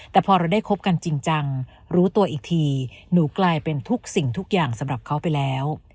แต่พอเราได้คบกันจริงจังรู้ตัวอีกทีหนูกลายเป็นทุกสิ่งทุกอย่างสำหรับเขาไปแล้ว